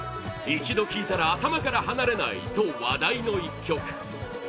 一度聴いたら頭から離れないと話題の一曲